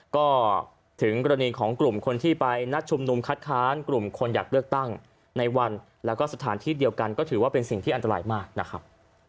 ก็ถึงกรณีของกลุ่มคนที่ไปนัดชุมนุมคัดค้านกลุ่มคนอยากเลือกตั้งในวันแล้วก็สถานที่เดียวกันก็ถือว่าเป็นสิ่งที่อันตรายมากนะครับ